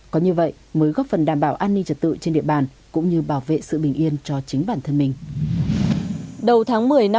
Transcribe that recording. có như vậy mới góp phần đảm bảo an ninh trật tự trên địa bàn cũng như bảo vệ sự bình yên cho chính bản thân mình